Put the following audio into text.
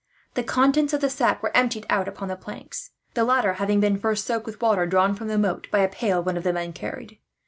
The contents of the sacks were emptied out upon the planks, the latter having been first soaked with water, drawn from the moat by a pail one of the men carried.